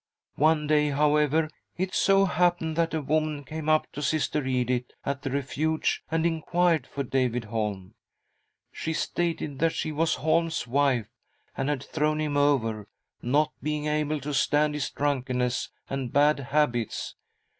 One day, however, it so happened that a woman, came up to. Sister Edith at the Refuge and inquired for David Holm. She stated that she was Holm's wife, and had thrown him over, not being able to stand 'his drunkenness and bad habits.